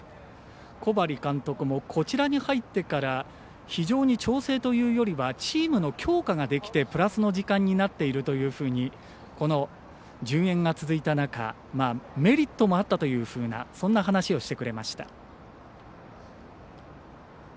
小針監督もこちらに入ってから非常に調整というよりはチームの強化ができてプラスの時間ができているとこの順延が続いた中メリットもあったとそんな話をしてくれました。